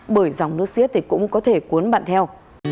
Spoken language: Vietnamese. bởi dòng nước siết thì cũng có thể cuốn bạn theo